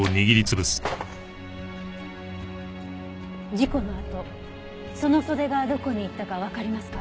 事故のあとその袖がどこにいったかわかりますか？